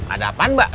ada apa mbak